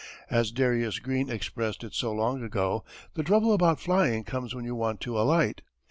As Darius Green expressed it so long ago, the trouble about flying comes when you want to alight.